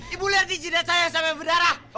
ibu lihat di jidat saya sampai berdarah